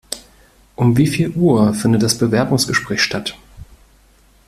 Um wie viel Uhr findet das Bewerbungsgesprach statt?